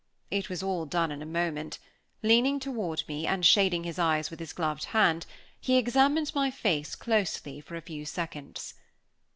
It was all done in a moment; leaning toward me, and shading his eyes with his gloved hand, he examined my face closely for a few seconds.